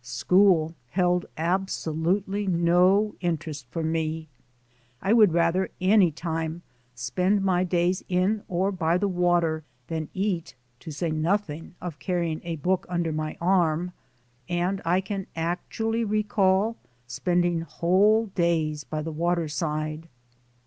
School held absolutely no in terest for me. I would rather any time spend my days in or by the water than eat, to say nothing of carrying a book under my arm, and I can act ually recall spending whole days by the water side.